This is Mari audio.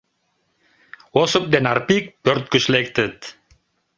Осып ден Арпик пӧрт гыч лектыт.